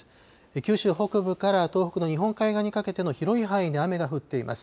九州北部から東北の日本海側にかけての広い範囲で雨が降っています。